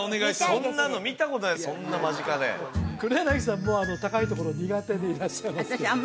そんなの見たことないそんな間近で黒柳さんも高いところ苦手でいらっしゃいますけど私